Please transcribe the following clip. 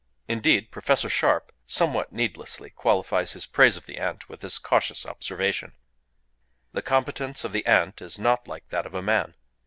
Indeed, Professor Sharp somewhat needlessly qualifies his praise of the ant with this cautious observation:— "The competence of the ant is not like that of man.